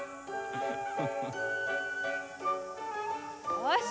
よし。